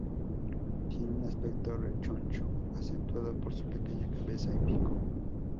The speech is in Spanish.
Tiene un aspecto rechoncho acentuado por su pequeña cabeza y pico.